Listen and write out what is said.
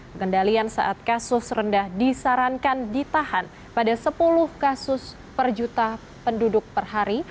pengendalian saat kasus rendah disarankan ditahan pada sepuluh kasus per juta penduduk per hari